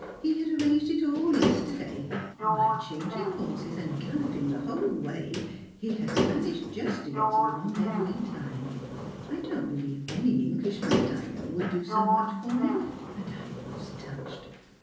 He had arranged it all yesterday, and by changing horses and galloping the whole way, he had managed just to get to the rendezvous in time. I don't believe any Englishman that I know would do so much for me, and I was touched.